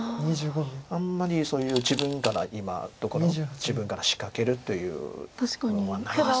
あんまりそういう自分から今のところ自分から仕掛けるというのはないです。